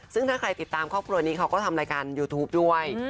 ซึ่งถ้าใครติดตามครอบครัวนี้เขาก็ทำรายการยูทูปด้วย